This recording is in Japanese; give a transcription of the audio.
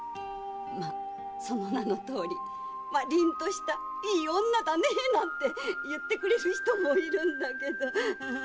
その名のとおり凛としたいい女だなんて言ってくれる人もいて。